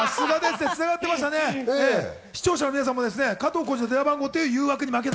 視聴者の皆さんも加藤浩次の電話番号という誘惑に負けて。